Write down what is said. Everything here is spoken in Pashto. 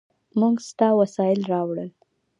موږ ستا وسایل راوړل.